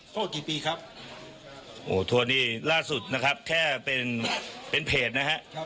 โทษกี่ปีครับโอ้โทษนี่ล่าสุดนะครับแค่เป็นเพจนะฮะ